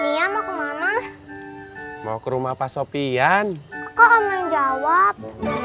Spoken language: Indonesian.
mia mau kemana mau ke rumah pak sopian kok om yang jawab